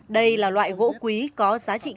đây là loại gỗ quý có giá trị cao